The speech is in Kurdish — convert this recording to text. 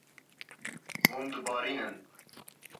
Hûn dibarînin.